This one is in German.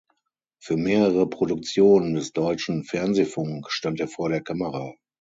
Für mehrere Produktionen des Deutschen Fernsehfunk stand er vor der Kamera.